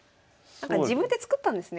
自分で作ったんですね